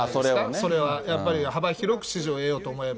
それはやっぱり、幅広く支持を得ようと思えば。